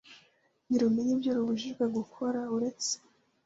ntirumenya ibyo rubujijwe gukora uretse